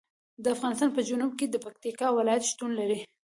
د افغانستان په جنوب کې د پکتیکا ولایت شتون لري.